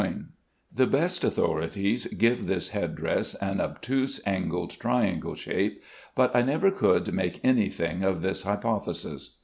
The best authorities give this head dress an obtuse angled triangle shape, but I never could make any thing of this hypothesis.